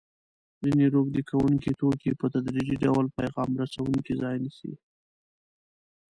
ځیني روږدي کوونکي توکي په تدریجي ډول پیغام رسوونکو ځای نیسي.